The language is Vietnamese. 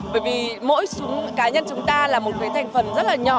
bởi vì mỗi cá nhân chúng ta là một cái thành phần rất là nhỏ